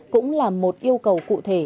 cũng là một yêu cầu cụ thể